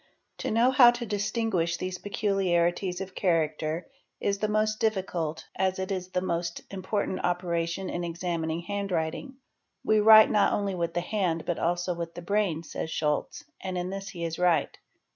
To know how to distinguish these peculiarities of character is the most difficult as it is the most important operation in examining hand writing :—'' We write not only with the hand, but also with the brain," says Scholz, and in this he is right.